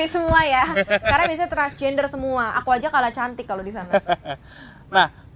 semua ya karena biasanya transgender semua aku aja kalah cantik kalo disana